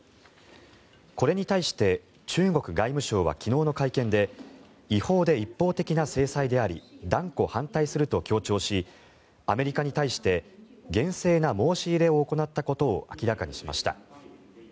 これに対して中国外務省は昨日の会見で違法で一方的な制裁であり断固反対すると強調しアメリカに対して厳正な申し入れを行ったことを明らかにしました。